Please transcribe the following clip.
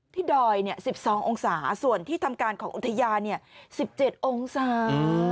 ดอย๑๒องศาส่วนที่ทำการของอุทยาน๑๗องศา